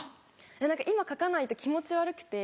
何か今書かないと気持ち悪くて。